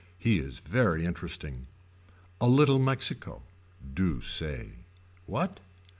He is very interesting. A little Mexico. Do say. What.